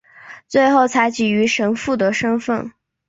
最后才给予神父的身分。